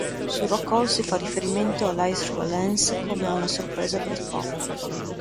Su "Rockol" si fa riferimento a "Life thru a Lens" come una "sorpresa brit-pop".